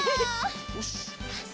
よし！